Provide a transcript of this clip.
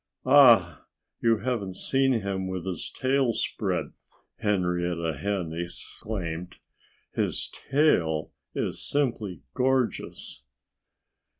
"Ah! You haven't seen him with his tail spread!" Henrietta Hen exclaimed. "His tail is simply gorgeous."